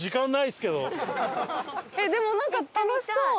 えっでもなんか楽しそう！